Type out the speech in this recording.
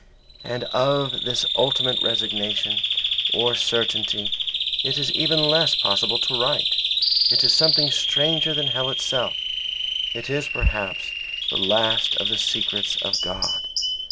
And of this ultimate resignation or certainty it is even less possible to write; it is something stranger than hell itself; it is perhaps the last of the secrets of God.